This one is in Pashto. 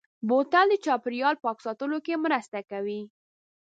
بوتل د چاپېریال پاک ساتلو کې مرسته کوي.